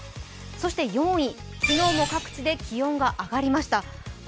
そして４位、昨日も各地で気温が上がりました。